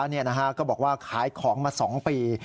คือพี่กัลที่มาแม่ค้าก็บอกว่าขายของมา๒ปี